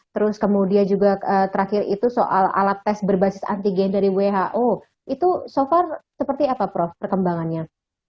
terus kemudian juga terakhir itu soal alat tes berbasis antigen dari who itu so far seperti apa prof perkembangannya